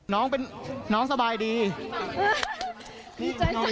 เพื่อนบ้านเจ้าหน้าที่อำรวจกู้ภัย